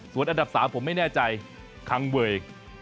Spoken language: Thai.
ส่วนอันดับ๓ผมไม่แน่ใจคังเวย์